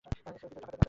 কিছু টাকা দে শশী।